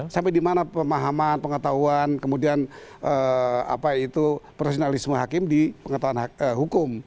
sampai di mana pemahaman pengetahuan kemudian apa itu profesionalisme hakim di pengetahuan hukum